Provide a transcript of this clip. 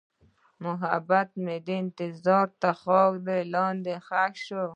محبت مې د انتظار تر خاورې لاندې ښخ شو.